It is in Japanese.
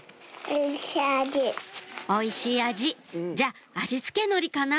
「おいしいあじ」じゃあ味付け海苔かな？